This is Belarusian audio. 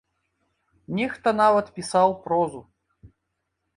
Нехта нават пісаў прозу.